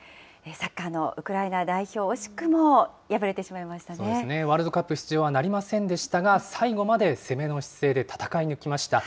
サッカーのウクライナ代表、ワールドカップ出場はなりませんでしたが、最後まで攻めの姿勢で戦い抜きました。